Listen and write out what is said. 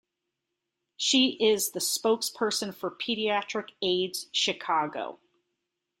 She is the spokesperson for Pediatric Aids Chicago.